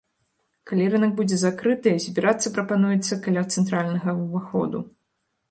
Калі рынак будзе закрыты, збірацца прапануецца каля цэнтральнага ўваходу.